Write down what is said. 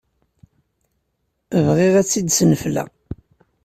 Bɣiɣ ad tt-id-snefleɣ.